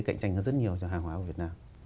cạnh tranh hơn rất nhiều cho hàng hóa của việt nam